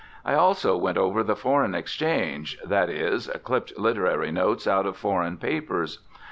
I also went over the foreign exchange, that is: clipped literary notes out of foreign papers.